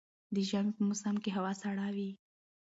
د ژمي په موسم کي هوا سړه وي